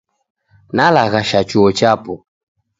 Nalaghasha chuo chapo.